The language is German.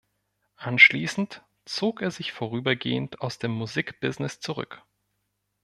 Anschließend zog er sich vorübergehend aus dem Musik-Business zurück.